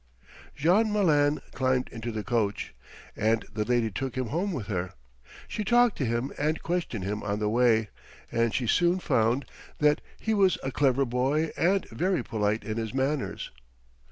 Jean Malin climbed into the coach, and the lady took him home with her. She talked to him and questioned him on the way, and she soon found that he was a clever boy and very polite in his manners.